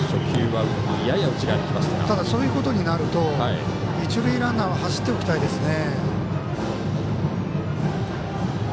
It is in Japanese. そういうことになると一塁ランナーは走っておきたいですね。